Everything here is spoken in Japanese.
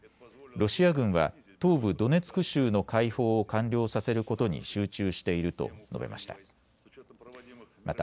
ロシア軍は東部ドネツク州の解放を完了させることに集中していると述べました。